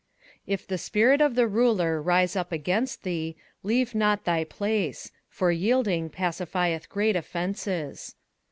21:010:004 If the spirit of the ruler rise up against thee, leave not thy place; for yielding pacifieth great offences.